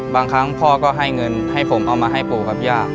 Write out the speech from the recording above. บางครั้งพ่อก็ให้เงินให้ผมเอามาให้ปู่กับย่า